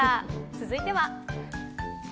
続いては。